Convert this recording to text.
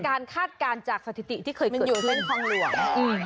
การคาดการณ์จากสถิติที่เคยเกิดมันอยู่ที่คลองหลวง